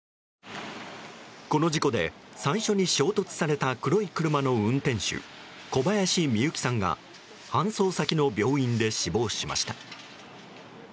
この事故で最初に衝突された黒い車の運転手小林美幸さんが搬送先の病院で死亡しました。